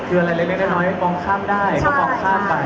คืออะไรเล็กน้อยมองข้ามได้ก็มองข้ามไป